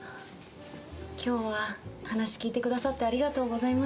今日は話聞いてくださってありがとうございました。